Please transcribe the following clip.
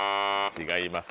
違います。